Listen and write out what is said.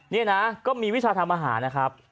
นี่นะก็มีวิชาธรรมหานะครับ